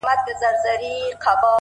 • موري ډېوه دي ستا د نور د شفقت مخته وي؛